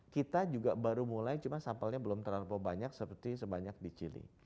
kita juga baru mulai cuma sampelnya belum terlalu banyak seperti sebanyak di chile